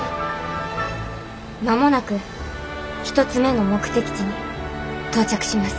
間もなく１つ目の目的地に到着します。